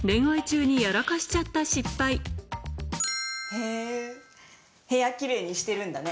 へぇ部屋奇麗にしてるんだね。